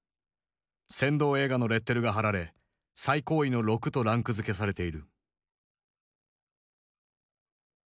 扇動映画のレッテルが貼られ最高位の６とランクづけされている。